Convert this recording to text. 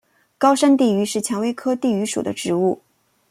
高山地榆是蔷薇科地榆属的植物。